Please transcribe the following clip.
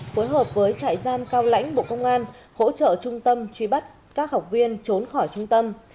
phối hợp với trại giam cao lãnh bộ công an hỗ trợ trung tâm truy bắt các học viên trốn khỏi trung tâm